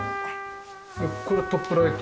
これはトップライト。